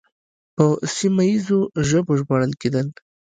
په سیمه ییزو ژبو ژباړل کېدل